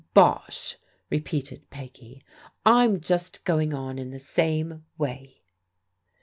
" Bosh !" repeated Peggy. Fm just going on in the same way."